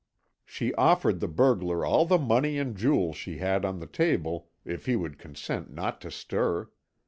She offered the burglar all the money and jewels she had on the table if he would consent not to stir.